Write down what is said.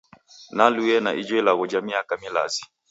Nalue na ijo ilagho kwa miaka milazi.